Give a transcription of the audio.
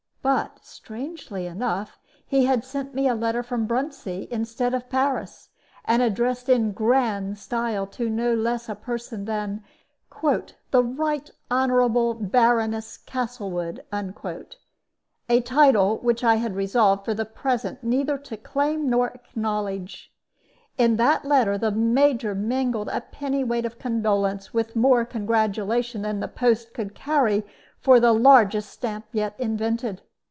But, strangely enough, he had sent me a letter from Bruntsea instead of Paris, and addressed in grand style to no less a person than "The right honorable Baroness Castlewood" a title which I had resolved, for the present, neither to claim nor acknowledge. In that letter the Major mingled a pennyweight of condolence with more congratulation than the post could carry for the largest stamp yet invented.